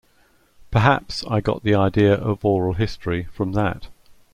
Perhaps I got the idea of oral history from that.